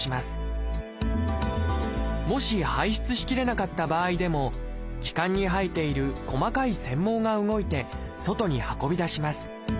もし排出しきれなかった場合でも気管に生えている細かい繊毛が動いて外に運び出します。